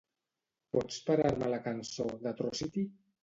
Pots parar-me la cançó d'"Atrocity"?